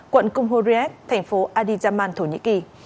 quận cung horeat thành phố adiyaman thổ nhĩ kỳ